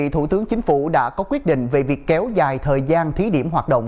thủ tướng chính phủ đã có quyết định về việc kéo dài thời gian thí điểm hoạt động